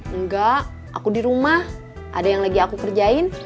enggak aku di rumah ada yang lagi aku kerjain